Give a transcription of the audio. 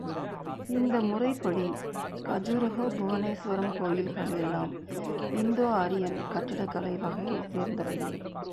இந்த முறைப்படி கஜுராஹோ புவனேஸ்வரம் கோயில்கள் எல்லாம் இண்டோ ஆரியன் கட்டிடக் கலை வகையைச் சேர்ந்தவையே.